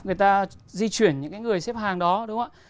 người ta di chuyển những người xếp hàng đó đúng không ạ